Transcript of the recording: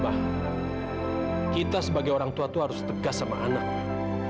pak kita sebagai orang tua itu harus tegas sama anak pak